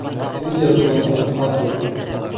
Көй яҙыуы анһат ул!